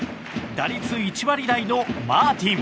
打率１割台のマーティン。